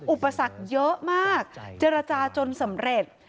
อุปสรรคเยอะมากเจรจาจนสำเร็จ